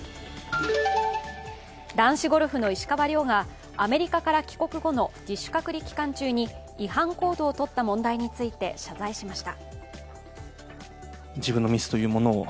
男子ゴルフの石川遼がアメリカから帰国後の自主隔離期間中に違反行動をとった問題について謝罪しました。